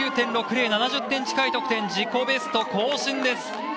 ７０点近い得点自己ベスト更新です。